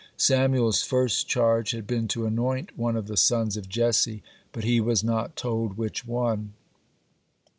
Samuel's first charge had been to anoint one of the sons of Jesse, but he was not told which one.